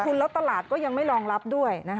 ลงทุนแล้วตลาดก็ยังไม่รองรับด้วย